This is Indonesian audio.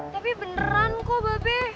tapi beneran kok babe